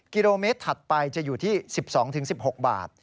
กิโลเมตรถัดไปจะอยู่ที่๑๒๑๖บาท